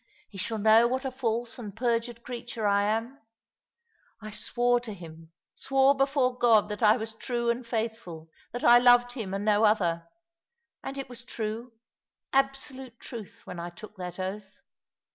He shall know what a false and perjured creature I am. I swore to him — swore before God that I was true and faithful — that I loved him and no other. And it was true, absolute truth, when I took that oath.